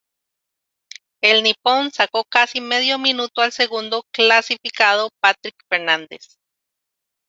El nipón sacó casi medio minuto al segundo clasificado Patrick Fernandez.